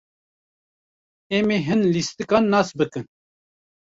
Em ê hin lîstokan nas bikin.